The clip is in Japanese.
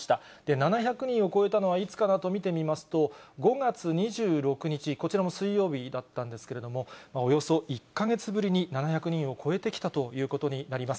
７００人を超えたのはいつかなと見てみますと、５月２６日、こちらも水曜日だったんですけれども、およそ１か月ぶりに７００人を超えてきたということになります。